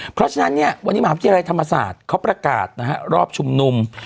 เพราะฉะนั้นเนี่ยวันนี้มหาวิทยาลัยธรรมศาสตร์เขาประกาศนะฮะรอบชุมนุม